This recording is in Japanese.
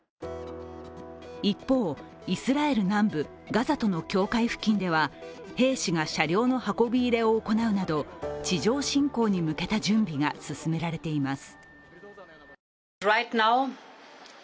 一方、イスラエル南部ガザとの境界付近では兵士が車両の運び入れを行うなど地上侵攻に向けた準備が進められています。